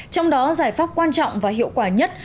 trong đó giải pháp quan trọng và hiệu quả nhất